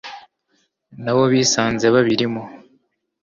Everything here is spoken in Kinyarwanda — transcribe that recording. nabo bisanze babirimo